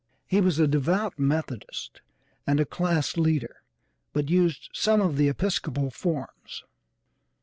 He was a devout Methodist, and a class leader, but used some of the Episcopal forms.